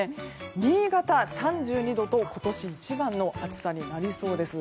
新潟、３２度と今年一番の暑さになりそうです。